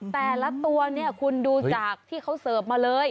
แต่ละตัวเนี่ยคุณดูจากที่เขาเสิร์ฟมาเลย